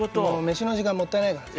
飯の時間もったいないから。